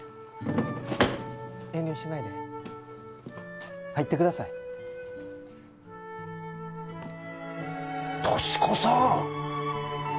・遠慮しないで入ってください俊子さん